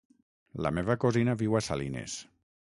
La meva cosina viu a Salines.